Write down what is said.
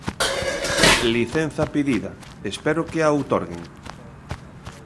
Licenza pedida, espero que a outorguen.